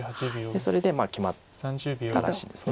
それで決まったらしいです。